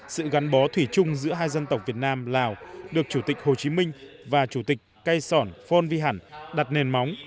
sự gắn bó thủy chung giữa hai dân tộc việt nam lào được chủ tịch hồ chí minh và chủ tịch cây sòn phon vi hẳn đặt nền móng